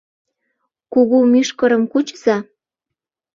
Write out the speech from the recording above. — Кугу мӱшкырым кучыза!